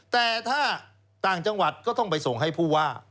แต่ถ้าต่างจังหวัดก็ต้องไปส่งให้ผู้ว่า